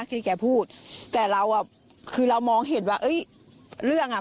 ที่แกพูดแต่เราอ่ะคือเรามองเห็นว่าเอ้ยเรื่องอ่ะ